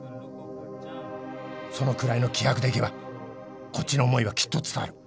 そのくらいの気迫でいけばこっちの思いはきっと伝わる」。